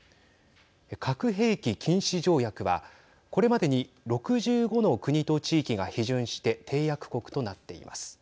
核兵器禁止条約はこれまでに６５の国と地域が批准して締約国となっています。